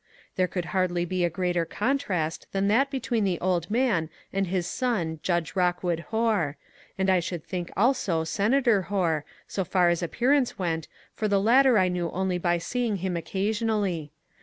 There could hardly be a greater contrast than that between the old man and his son Judge Rockwood Hoar, — and I should think also Senator Hoar, so far as appearance went, for the latter I knew only by seeing him occasionally.